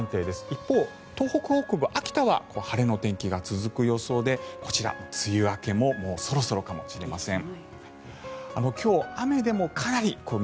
一方、東北北部、秋田は晴れの天気が続く予想でこちら、梅雨明けももうそろそろかもしれません。